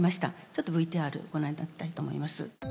ちょっとＶＴＲご覧頂きたいと思います。